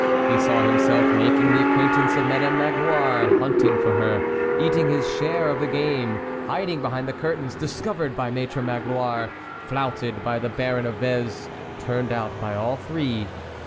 He saw himself making the ac quaintance of Madame Magloire, hunting for her, eating his share of the game, hiding behind the curtains, discovered by Maitre Magloire, flouted by the Baron of Vez, turned out by all three.